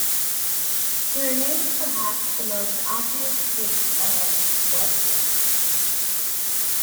He remains perhaps the most obvious case of what if...?